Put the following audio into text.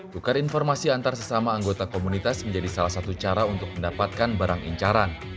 tukar informasi antar sesama anggota komunitas menjadi salah satu cara untuk mendapatkan barang incaran